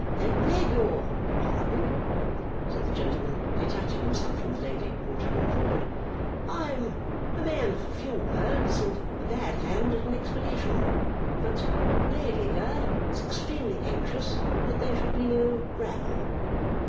'Beg your pardon,' said the gentleman, detaching himself from the lady, and coming forward. 'I am a man of few words and a bad hand at an explanation but lady here is extremely anxious that there should be no Row.